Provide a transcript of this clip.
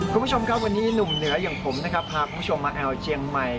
คุณผู้ชมครับวันนี้หนุ่มเหนืออย่างผมนะครับพาคุณผู้ชมมาแอวเจียงใหม่